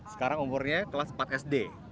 sekarang umurnya kelas empat sd